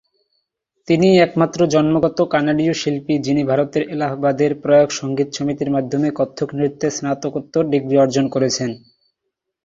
তিনিই একমাত্র জন্মগত কানাডীয় শিল্পী যিনি ভারতের এলাহাবাদের প্রয়াগ সংগীত সমিতির মাধ্যমে কত্থক নৃত্যে স্নাতকোত্তর ডিগ্রি অর্জন করেছেন।